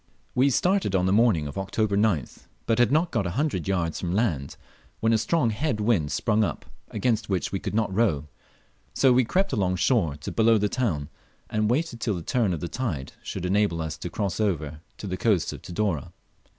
We started on the morning of October 9th, but had not got a hundred yards from land, when a strong head wind sprung up, against which we could not row, so we crept along shore to below the town, and waited till the turn of the tide should enable us to cross over to the coast of Tidore.